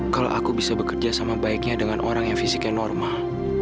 kalau aku bisa bekerja sama baiknya dengan orang yang fisiknya normal